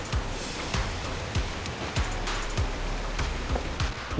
tidak ada yang bisa dikira sama dia